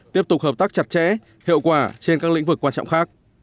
tiếp tục hợp tác chặt chẽ hiệu quả trên các lĩnh vực quan trọng khác